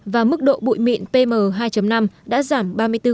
và mức độ bụi mịn pm hai năm đã giảm ba mươi bốn